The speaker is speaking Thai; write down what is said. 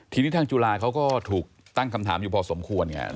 ทีนี้ทางจุฬาเขาก็ถูกตั้งคำถามอยู่พอสมควรไง